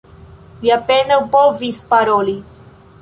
Li apenaŭ povis paroli.